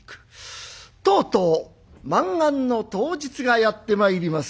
とうとう満願の当日がやって参ります。